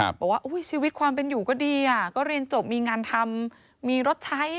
บอกว่าชีวิตความเป็นอยู่ก็ดีอ่ะก็เรียนจบมีงานทำมีรถใช้